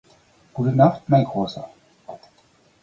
Gute Nacht, mein Großer!